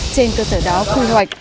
trên cơ sở đó khui hoạch